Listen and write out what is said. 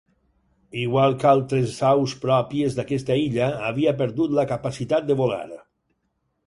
Igual que altres aus pròpies d'aquesta illa, havia perdut la capacitat de volar.